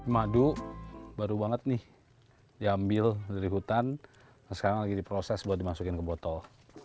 madu baru banget nih diambil dari hutan sekarang lagi diproses buat dimasukin ke botol